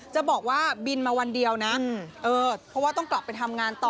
จะบอกว่าบินมาวันเดียวนะเพราะว่าต้องกลับไปทำงานต่อ